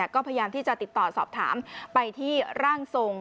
ก็พยายามที่จะติดต่อสอบถามไปที่ร่างทรง